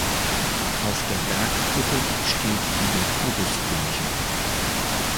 Auf der Bergkuppe steht die Jakobuskirche.